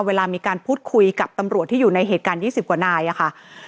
เวลามีการพูดคุยกับตำรวจที่อยู่ในเหตุการณ์๒๐กว่านายอะค่ะ